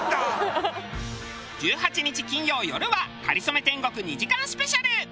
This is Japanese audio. １８日金曜よるは『かりそめ天国』２時間スペシャル。